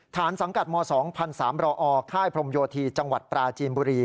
ฐานสังกัดม๒พันธุ์๓รอค่ายพรมโยธีจังหวัดปราจีนบุรี